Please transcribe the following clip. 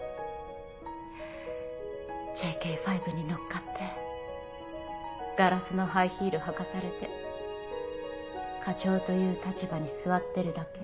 ＪＫ５に乗っかってガラスのハイヒール履かされて課長という立場に座ってるだけ。